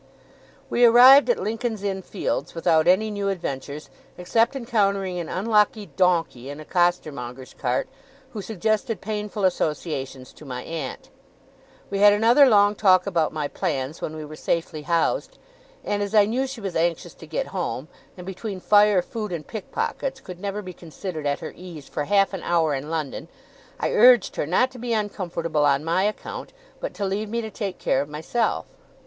We arrived at Lincoln's Inn Fields without any new adventures, except encountering an unlucky donkey in a costermonger's cart, who suggested painful associations to my aunt. We had another long talk about my plans, when we were safely housed; and as I knew she was anxious to get home, and, between fire, food, and pickpockets, could never be considered at her ease for half an hour in London, I urged her not to be uncomfortable on my account, but to leave me to take care of myself.